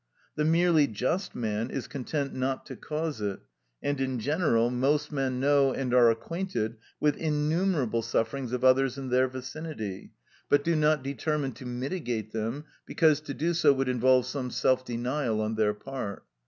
The merely just man is content not to cause it; and, in general, most men know and are acquainted with innumerable sufferings of others in their vicinity, but do not determine to mitigate them, because to do so would involve some self denial on their part.